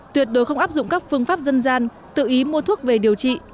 tuyệt đối không áp dụng các phương pháp dân gian tự ý mua thuốc về điều trị